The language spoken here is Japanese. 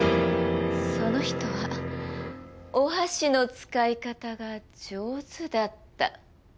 その人はお箸の使い方が上手だった。